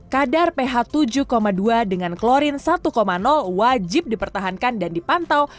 kadar ph tujuh dua dengan klorin satu wajib dipertahankan dan dipantau